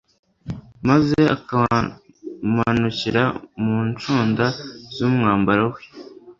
maze akamanukira ku ncunda z'umwambaro we